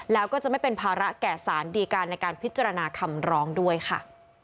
แล้วก็จะไม่เป็นภาระแก่สารดีการในการพิจารณาคำร้องด้วยค่ะ